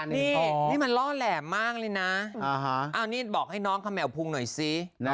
นี่ปอบนี้บอกให้น้องคาเมลฟุงหน่อยสิ